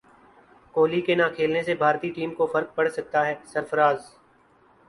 کوہلی کے نہ کھیلنے سے بھارتی ٹیم کو فرق پڑسکتا ہے سرفراز